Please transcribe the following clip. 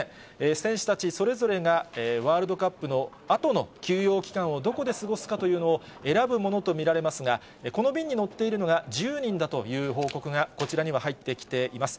選手たちそれぞれが、ワールドカップのあとの休養期間をどこで過ごすかというのを選ぶものと見られますが、この便に乗っているのが１０人だという報告がこちらには入ってきています。